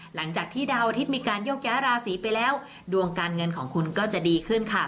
หลังจากที่ดาวอาทิตย์มีการโยกย้ายราศีไปแล้วดวงการเงินของคุณก็จะดีขึ้นค่ะ